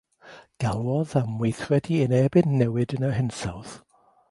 Galwodd am weithredu yn erbyn newid yn yr hinsawdd.